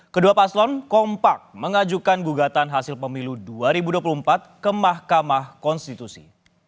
kedua paslon kompak mengajukan gugatan hasil pemilu dua ribu dua puluh empat ke mahkamah konstitusi